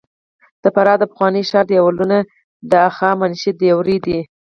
د فراه د پخواني ښار دیوالونه د هخامنشي دورې دي